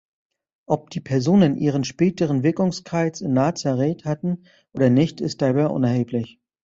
Ob die Personen ihren späteren Wirkungskreis in Nazareth hatten oder nicht, ist dabei unerheblich.